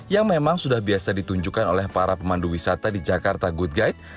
yang memang sudah biasa ditunjukkan oleh para pemandu wisata di jakarta good guide